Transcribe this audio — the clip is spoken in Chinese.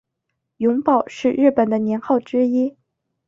永保是日本的年号之一。